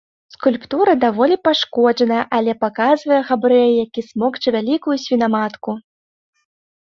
Скульптура даволі пашкоджаная, але паказвае габрэя, які смокча вялікую свінаматку.